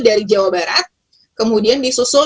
dari jawa barat kemudian disusul